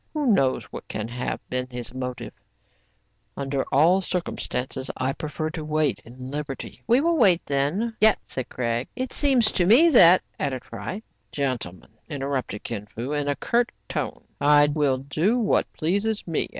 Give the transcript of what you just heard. Who knows what can have been his motive ? Under all circumstances, I prefer to wait in liberty. " We will wait then. Yet "— said Craig. " It seems to me that '*— added Fry. "Gentlemen," interrupted Kin Fo, in a curt tone, '* I will do what pleases me.